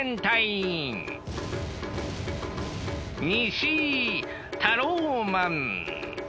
西タローマン。